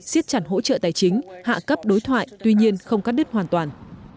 xiết chẳng hỗ trợ tài chính hạ cấp đối thoại tuy nhiên không cắt đứt hoàn toàn